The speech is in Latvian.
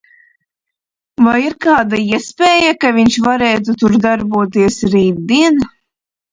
Vai ir kāda iespēja, ka viņš varētu tur darboties rītdien?